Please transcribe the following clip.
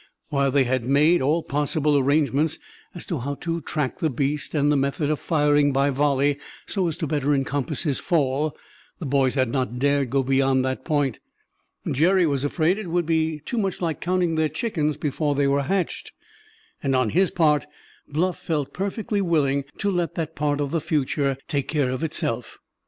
While they had made all possible arrangements as to how to track the beast and the method of firing by volley so as to better encompass his fall, the boys had not dared go beyond that point. Jerry was afraid it would be too much like counting their chickens before they were hatched, and on his part Bluff felt perfectly willing to let that part of the future take care of itself.